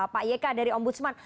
pak yk dari om budsman